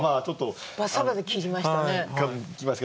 バサバサ切りましたね。